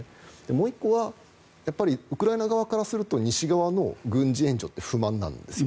もう１個はウクライナ側からすると西側の軍事援助って不満なんですよ。